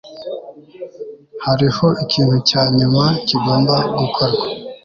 Hariho ikintu cya nyuma kigomba gukorwa